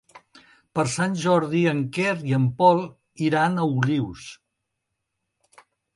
Per Sant Jordi en Quer i en Pol iran a Olius.